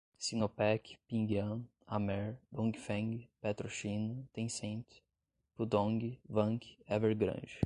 Sinopec, Ping An, Amer, Dongfeng, PetroChina, Tencent, Pudong, Vanke, Evergrande